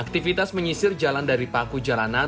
aktivitas menyisir jalan dari paku jalanan